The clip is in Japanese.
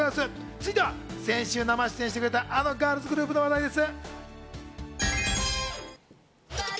続いては先週、生出演してくれたあのガールズグループの話題です。